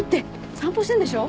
散歩してんでしょ。